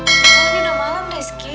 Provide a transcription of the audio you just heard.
malam ini udah malam reski